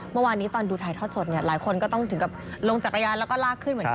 เมื่อวานนี้ตอนดูถ่ายทอดสดเนี่ยหลายคนก็ต้องถึงกับลงจักรยานแล้วก็ลากขึ้นเหมือนกัน